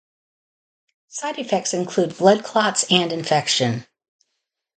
Side effects include blood clots and infection.